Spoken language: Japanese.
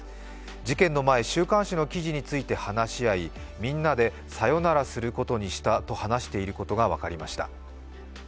事件の前、週刊誌の記事について話し合い、みんなでさよならすることにしたと話していることが分かりました。